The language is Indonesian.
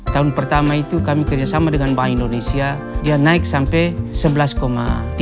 tahun pertama itu kami kerjasama dengan bank indonesia dia naik sampai sebelas tiga puluh